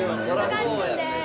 高橋君です。